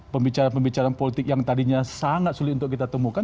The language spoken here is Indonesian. pembicaraan pembicaraan politik yang tadinya sangat sulit untuk kita temukan